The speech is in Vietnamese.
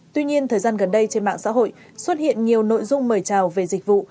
tuy nhiên thời gian gần đây trên mạng xã hội xuất hiện nhiều nội dung mời chào về dịch vụ